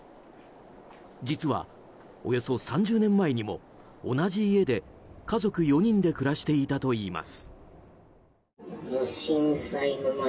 実は、およそ３０年前にも同じ家で家族４人で暮らしていたといいます。